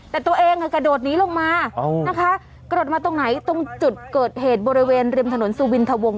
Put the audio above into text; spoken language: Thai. แต่ตัวเองกระโดดหนีลงมานะคะกระโดดมาตรงไหนตรงจุดเกิดเหตุบริเวณริมถนนสุวินทะวง